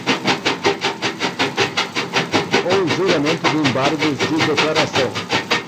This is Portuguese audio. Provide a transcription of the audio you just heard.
o julgamento de embargos de declaração